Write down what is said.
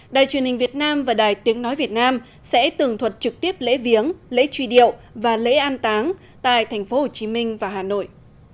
đài truyền hình việt nam và đài tiếng nói việt nam sẽ tường thuật trực tiếp lễ viếng lễ truy điệu và lễ an táng tại tp hcm và hà nội